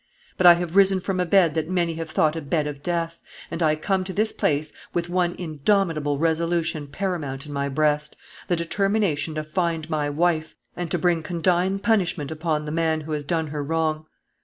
But I have risen from a bed that many have thought a bed of death; and I come to this place with one indomitable resolution paramount in my breast, the determination to find my wife, and to bring condign punishment upon the man who has done her wrong."